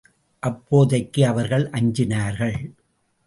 அப்போதைக்கு அவர்கள் அஞ்சினார்கள்.